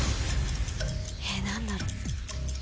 えっ何だろう。